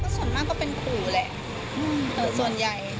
ส่วนมากก็เป็นขู่แหละส่วนใหญ่